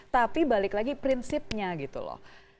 tapi balik lagi prinsipnya